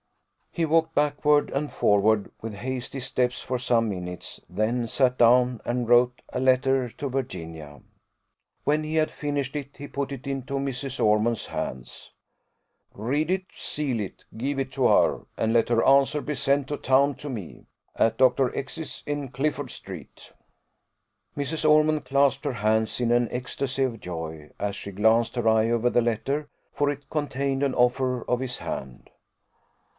He walked backward and forward, with hasty steps, for some minutes; then sat down and wrote a letter to Virginia. When he had finished it, he put it into Mrs. Ormond's hands. "Read it seal it give it to her and let her answer be sent to town to me, at Dr. X.'s, in Clifford street." Mrs. Ormond clasped her hands, in an ecstasy of joy, as she glanced her eye over the letter, for it contained an offer of his hand.